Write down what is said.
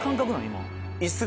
今。